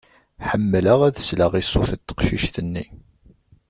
Ḥemmleɣ ad sleɣ i ṣṣut n teqcict-nni.